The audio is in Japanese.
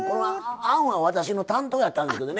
あんは私の担当やったんですけど。